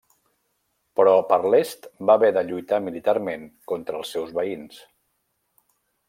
Però per l'est va haver de lluitar militarment contra els seus veïns.